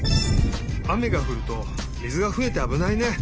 あめがふると水がふえてあぶないね。